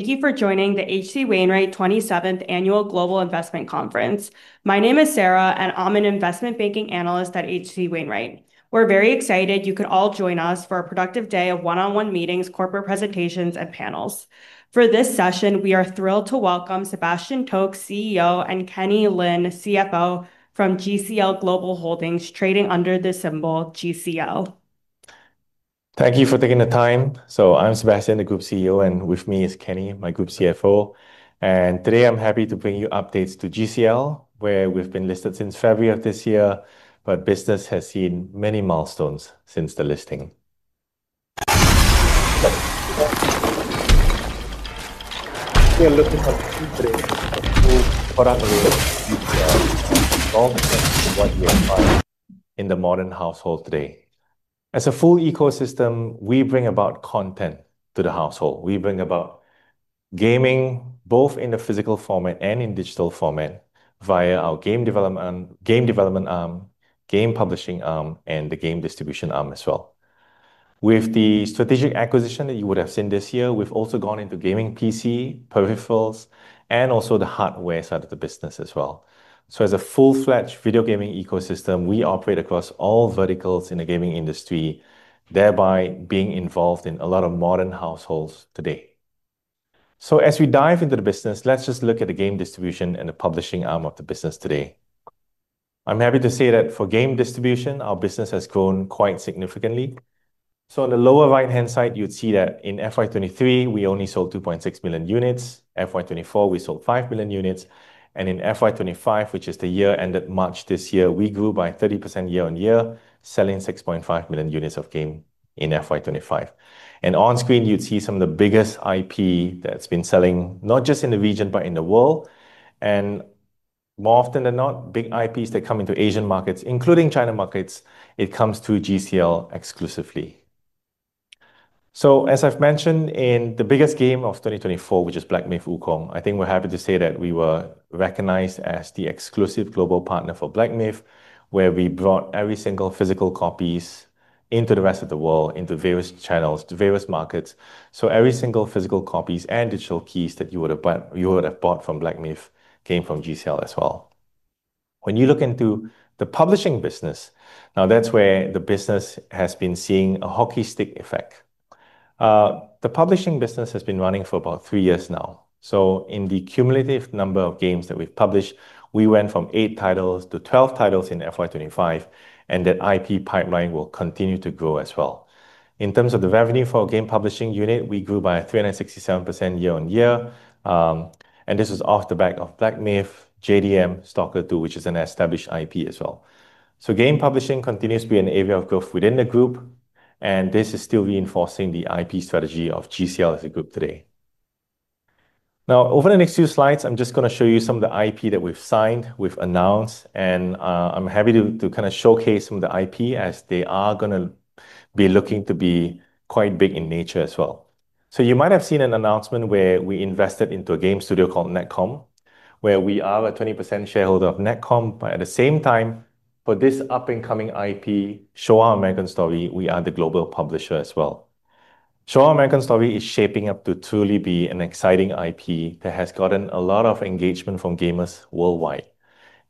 Thank you for joining the HC Wainwright 27th Annual Global Investment Conference. My name is Sarah, and I'm an Investment Banking Analyst at HC Wainwright. We're very excited you can all join us for a productive day of one-on-one meetings, corporate presentations, and panels. For this session, we are thrilled to welcome Sebastian Koch, CEO, and Kenny Lin, CFO, from GCL Global Holdings, trading under the symbol GCL. Thank you for taking the time. I'm Sebastian, the Group CEO, and with me is Kenny, my Group CFO. Today, I'm happy to bring you updates to GCL, where we've been listed since February of this year, but business has seen many milestones since the listing. If you look at how we bring a full product layer to GCL, it's all about what you'll find in the modern household today. As a full ecosystem, we bring about content to the household. We bring about gaming, both in the physical format and in digital format, via our game development arm, game publishing arm, and the game distribution arm as well. With the strategic acquisition that you would have seen this year, we've also gone into gaming PC, peripherals, and also the hardware side of the business as well. As a full-fledged video gaming ecosystem, we operate across all verticals in the gaming industry, thereby being involved in a lot of modern households today. As we dive into the business, let's just look at the game distribution and the publishing arm of the business today. I'm happy to say that for game distribution, our business has grown quite significantly. On the lower right-hand side, you'd see that in FY2023, we only sold 2.6 million units. FY2024, we sold 5 million units. In FY2025, which is the year ended March this year, we grew by 30% year-on-year, selling 6.5 million units of game in FY2025. On screen, you'd see some of the biggest IP that's been selling, not just in the region, but in the world. More often than not, big IPs that come into Asian markets, including China markets, it comes through GCL exclusively. As I've mentioned, in the biggest game of 2024, which is Black Myth: Wukong, I think we're happy to say that we were recognized as the exclusive global partner for Black Myth, where we brought every single physical copy into the rest of the world, into various channels, to various markets. Every single physical copy and digital key that you would have bought from Black Myth came from GCL as well. When you look into the publishing business, now that's where the business has been seeing a hockey stick effect. The publishing business has been running for about three years now. In the cumulative number of games that we've published, we went from eight titles to 12 titles in FY2025, and that IP pipeline will continue to grow as well. In terms of the revenue for our game publishing unit, we grew by 367% year-on-year, and this was off the back of Black Myth, JDM, Stalker 2, which is an established IP as well. Game publishing continues to be an area of growth within the group, and this is still reinforcing the IP strategy of GCL as a group today. Now, over the next few slides, I'm just going to show you some of the IP that we've signed, we've announced, and I'm happy to kind of showcase some of the IP as they are going to be looking to be quite big in nature as well. You might have seen an announcement where we invested into a game studio called Netcom Inc., where we are a 20% shareholder of Netcom, but at the same time, for this up-and-coming IP, Showa American Story, we are the global publisher as well. Showa American Story is shaping up to truly be an exciting IP that has gotten a lot of engagement from gamers worldwide.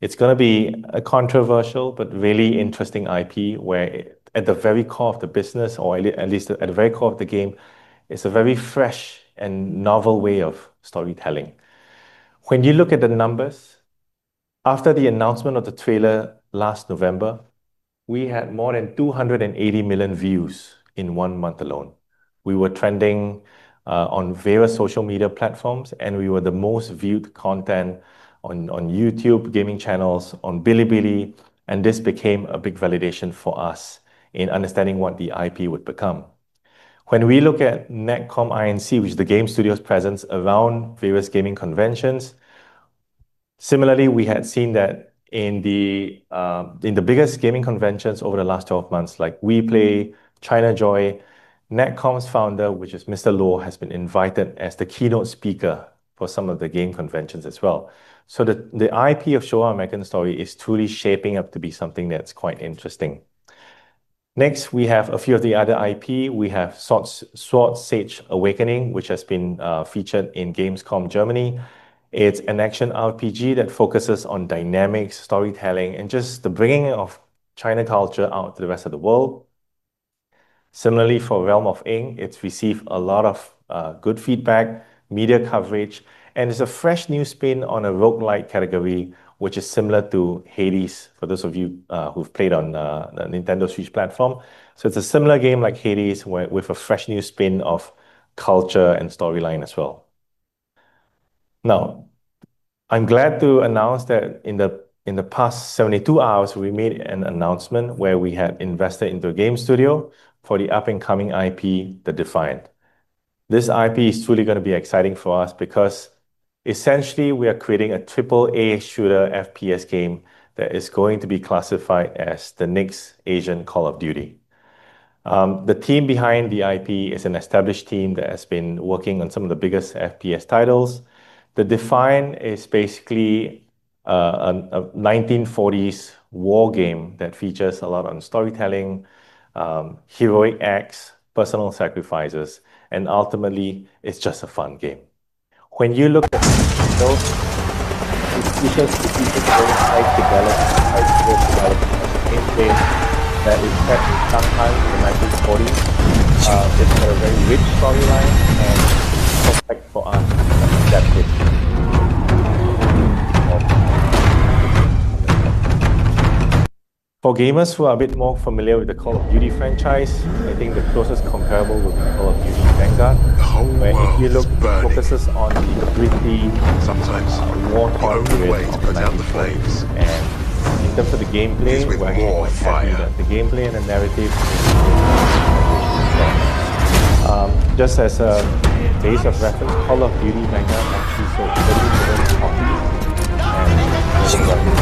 It's going to be a controversial but really interesting IP where, at the very core of the business, or at least at the very core of the game, it's a very fresh and novel way of storytelling. When you look at the numbers, after the announcement of the trailer last November, we had more than 280 million views in one month alone. We were trending on various social media platforms, and we were the most viewed content on YouTube gaming channels, on Bilibili, and this became a big validation for us in understanding what the IP would become. When we look at Netcom Inc., which is the game studio's presence around various gaming conventions, similarly, we had seen that in the biggest gaming conventions over the last 12 months, like WePlay, China Joy, Netcom's founder, which is Mr. Loh, has been invited as the keynote speaker for some of the game conventions as well. The IP of Showa American Story is truly shaping up to be something that's quite interesting. Next, we have a few of the other IP. We have Sword Sage Awakening, which has been featured in Gamescom Germany. It's an action RPG that focuses on dynamics, storytelling, and just the bringing of China culture out to the rest of the world. Similarly, for Realm of Ink, it's received a lot of good feedback, media coverage, and it's a fresh new spin on a roguelike category, which is similar to Hades, for those of you who've played on the Nintendo Switch platform. It's a similar game like Hades with a fresh new spin of culture and storyline as well. I'm glad to announce that in the past 72 hours, we made an announcement where we had invested into a game studio for the up-and-coming IP, The Defiant. This IP is truly going to be exciting for us because, essentially, we are creating a AAA shooter FPS game that is going to be classified as the next Asian Call of Duty. The team behind the IP is an established team that has been working on some of the biggest FPS titles. The Defiant is basically a 1940s war game that features a lot of storytelling, heroic acts, personal sacrifices, and ultimately, it's just a fun game. When you look at the game, it shows the people who are eyes to develop, eyes to develop, that is set in sometimes in the 1940s. It's a very rich storyline for gamers who are a bit more familiar with the Call of Duty franchise. I think the closest comparable would be Call of Duty Vanguard, where if you look, it focuses on the ability to sometimes warp through the way of the flames. In terms of the gameplay, we're quite happy that the gameplay and the narrative will be just as a case of reference, Call of Duty Vanguard actually sold a very good quality and survived the market.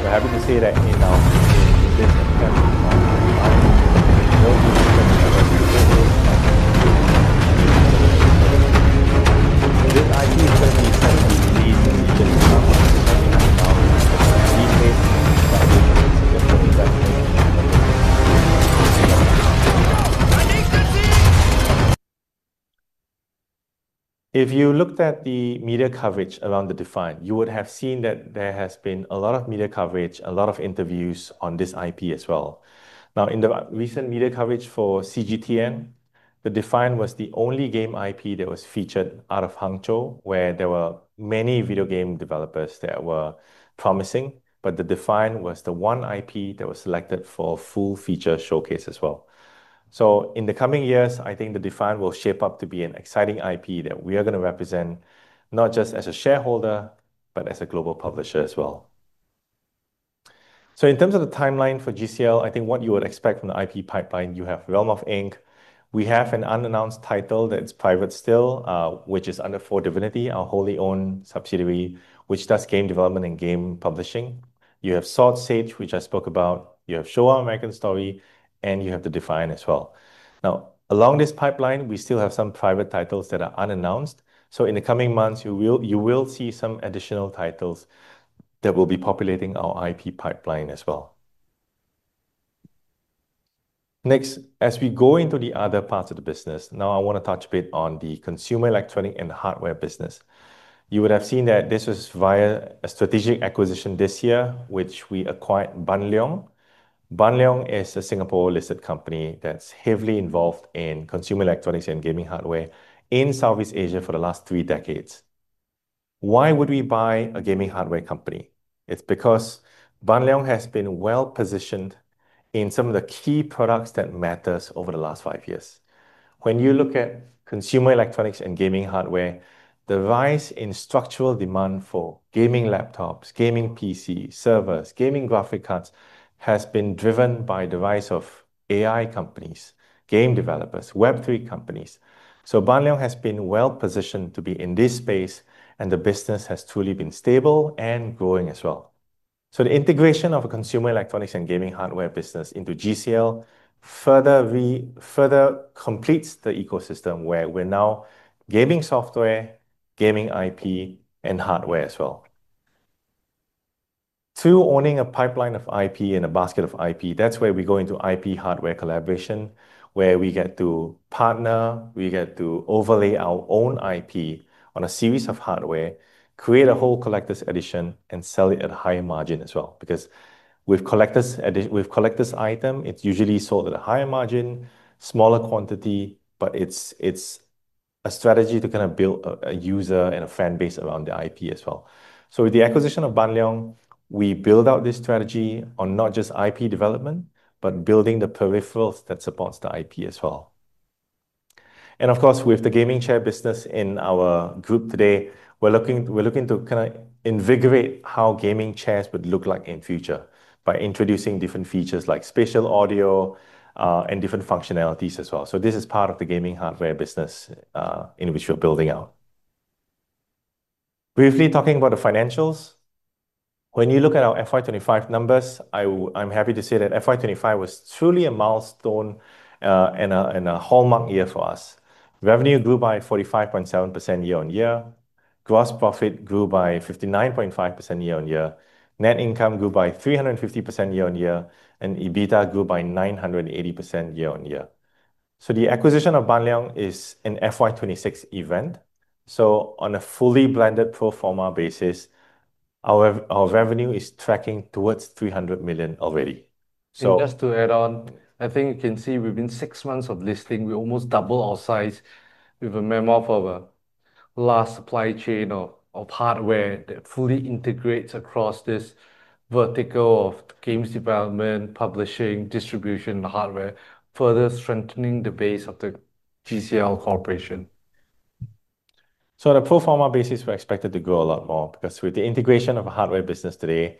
We're happy to say that in our business, if you looked at the media coverage around The Defiant, you would have seen that there has been a lot of media coverage, a lot of interviews on this IP as well. In the recent media coverage for CGTN, The Defiant was the only game IP that was featured out of Hangzhou, where there were many video game developers that were promising, but The Defiant was the one IP that was selected for a full feature showcase as well. In the coming years, I think The Defiant will shape up to be an exciting IP that we are going to represent, not just as a shareholder, but as a global publisher as well. In terms of the timeline for GCL, I think what you would expect from the IP pipeline, you have Realm of Ink. We have an unannounced title that's private still, which is Underfold Divinity, our wholly owned subsidiary, which does game development and game publishing. You have Sword Sage, which I spoke about. You have Showa American Story, and you have The Defiant as well. Along this pipeline, we still have some private titles that are unannounced. In the coming months, you will see some additional titles that will be populating our IP pipeline as well. Next, as we go into the other parts of the business, I want to touch a bit on the consumer electronic and hardware business. You would have seen that this was via a strategic acquisition this year, which we acquired Ban Leong Technologies Ltd. Ban Leong Technologies Ltd. is a Singapore-listed company that's heavily involved in consumer electronics and gaming hardware in Southeast Asia for the last three decades. Why would we buy a gaming hardware company? It's because Ban Leong Technologies Ltd. has been well positioned in some of the key products that matter over the last five years. When you look at consumer electronics and gaming hardware, the rise in structural demand for gaming laptops, gaming PCs, servers, gaming graphic cards has been driven by the rise of AI companies, game developers, Web3 companies. Ban Leong Technologies Ltd. has been well positioned to be in this space, and the business has truly been stable and growing as well. The integration of a consumer electronics and gaming hardware business into GCL Global Holdings Ltd. further completes the ecosystem where we're now gaming software, gaming IP, and hardware as well. Through owning a pipeline of IP and a basket of IP, that's where we go into IP hardware collaboration, where we get to partner, we get to overlay our own IP on a series of hardware, create a whole collector's edition, and sell it at a high margin as well. With collector's items, it's usually sold at a higher margin, smaller quantity, but it's a strategy to kind of build a user and a fan base around the IP as well. With the acquisition of Ban Leong Technologies Ltd., we build out this strategy on not just IP development, but building the peripherals that support the IP as well. Of course, with the gaming chair business in our group today, we're looking to kind of invigorate how gaming chairs would look like in the future by introducing different features like spatial audio and different functionalities as well. This is part of the gaming hardware business in which we're building out. Briefly talking about the financials, when you look at our FY2025 numbers, I'm happy to say that FY2025 was truly a milestone and a hallmark year for us. Revenue grew by 45.7% year-on-year. Gross profit grew by 59.5% year-on-year. Net income grew by 350% year-on-year. EBITDA grew by 980% year-on-year. The acquisition of Ban Leong Technologies Ltd. is an FY2026 event. On a fully blended pro forma basis, our revenue is tracking towards $300 million already. Just to add on, I think you can see within six months of listing, we almost doubled our size with a memo for the last supply chain of hardware that fully integrates across this vertical of games development, publishing, distribution, and hardware, further strengthening the base of the GCL Global Holdings Ltd. corporation. On a pro forma basis, we're expected to grow a lot more because with the integration of a hardware business today,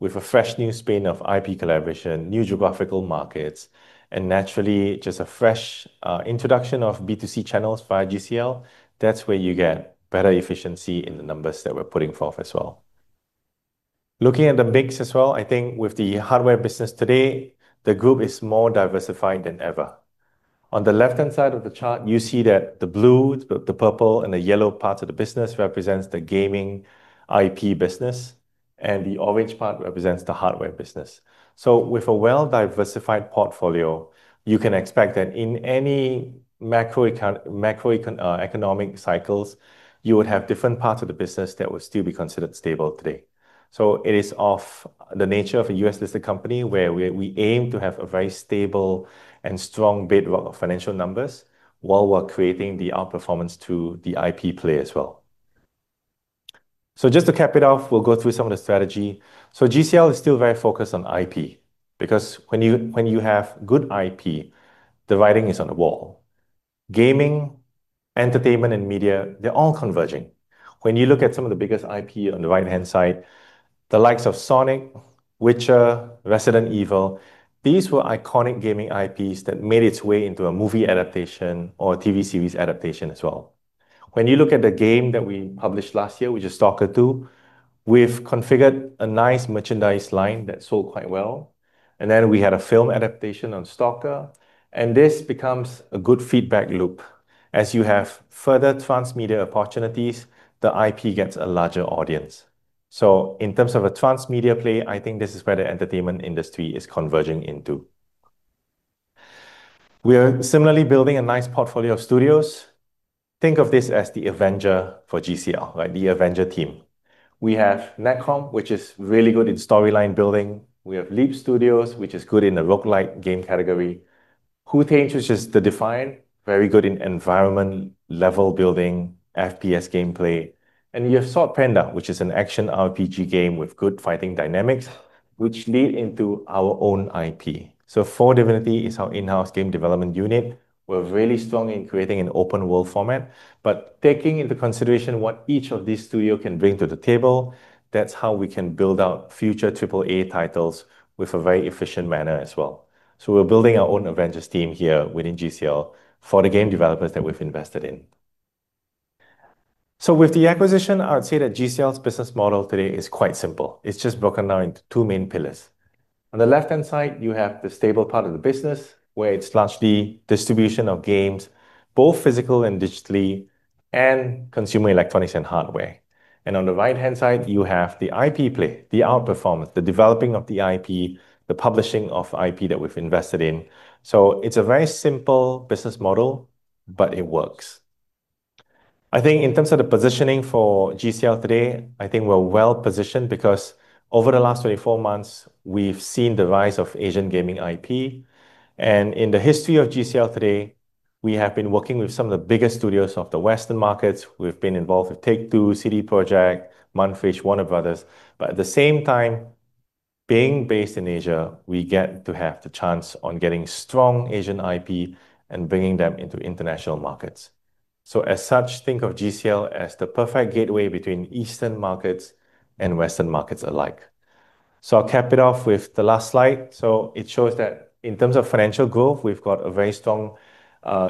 with a fresh new spin of IP collaboration, new geographical markets, and naturally just a fresh introduction of B2C channels via GCL, that's where you get better efficiency in the numbers that we're putting forth as well. Looking at the mix as well, I think with the hardware business today, the group is more diversified than ever. On the left-hand side of the chart, you see that the blue, the purple, and the yellow parts of the business represent the gaming IP business, and the orange part represents the hardware business. With a well-diversified portfolio, you can expect that in any macroeconomic cycles, you would have different parts of the business that would still be considered stable today. It is of the nature of a U.S.-listed company where we aim to have a very stable and strong bedrock of financial numbers while we're creating the outperformance to the IP play as well. Just to cap it off, we'll go through some of the strategy. GCL is still very focused on IP because when you have good IP, the writing is on the wall. Gaming, entertainment, and media, they're all converging. When you look at some of the biggest IP on the right-hand side, the likes of Sonic, Witcher, Resident Evil, these were iconic gaming IPs that made its way into a movie adaptation or a TV series adaptation as well. When you look at the game that we published last year, which is Stalker 2, we've configured a nice merchandise line that sold quite well. Then we had a film adaptation on Stalker, and this becomes a good feedback loop. As you have further transmedia opportunities, the IP gets a larger audience. In terms of a transmedia play, I think this is where the entertainment industry is converging into. We are similarly building a nice portfolio of studios. Think of this as the Avenger for GCL, right? The Avenger team. We have Netcom, which is really good in storyline building. We have Leap Studios, which is good in the roguelike game category. Wu-Tang, which is The Defiant, very good in environment-level building, FPS gameplay. You have Sword Panda, which is an action RPG game with good fighting dynamics, which lead into our own IP. Four Divinity is our in-house game development unit. We're really strong in creating an open-world format, but taking into consideration what each of these studios can bring to the table, that's how we can build out future AAA titles in a very efficient manner as well. We're building our own Avengers team here within GCL for the game developers that we've invested in. With the acquisition, I would say that GCL's business model today is quite simple. It's just broken down into two main pillars. On the left-hand side, you have the stable part of the business, where it's largely distribution of games, both physically and digitally, and consumer electronics and hardware. On the right-hand side, you have the IP play, the outperformance, the developing of the IP, the publishing of IP that we've invested in. It's a very simple business model, but it works. I think in terms of the positioning for GCL today, I think we're well positioned because over the last 24 months, we've seen the rise of Asian gaming IP. In the history of GCL today, we have been working with some of the biggest studios of the Western markets. We've been involved with Take-Two Interactive, CD Projekt, Mundfish, Warner Bros. At the same time, being based in Asia, we get to have the chance of getting strong Asian IP and bringing them into international markets. As such, think of GCL as the perfect gateway between Eastern markets and Western markets alike. I'll cap it off with the last slide. It shows that in terms of financial growth, we've got a very strong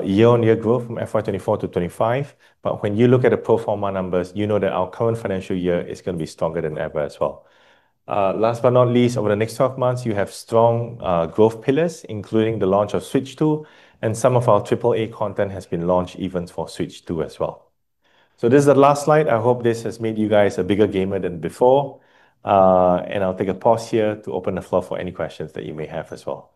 year-on-year growth from FY2024 to 2025. When you look at the pro forma numbers, you know that our current financial year is going to be stronger than ever as well. Last but not least, over the next 12 months, you have strong growth pillars, including the launch of Nintendo Switch 2, and some of our AAA content has been launched even for Nintendo Switch 2 as well. This is the last slide. I hope this has made you guys a bigger gamer than before. I'll take a pause here to open the floor for any questions that you may have as well.